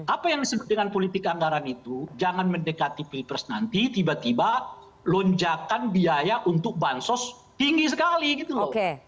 apa yang disebut dengan politik anggaran itu jangan mendekati pilpres nanti tiba tiba lonjakan biaya untuk bansos tinggi sekali gitu loh